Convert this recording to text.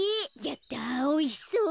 やったおいしそう。